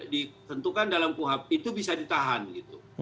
dikentukan dalam itu bisa ditahan gitu